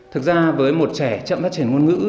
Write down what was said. thực ra với một trẻ chậm phát triển ngôn ngữ